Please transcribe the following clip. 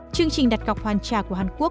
chương trình đặt cọc hoàn trả của hàn quốc